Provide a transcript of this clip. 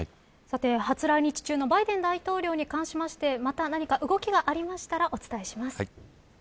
さて、初来日中のバイデン大統領に関しましてまた、何か動きがありましたらお伝えします。